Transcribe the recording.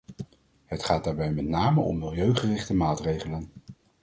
Het gaat daarbij met name om milieugerichte maatregelen.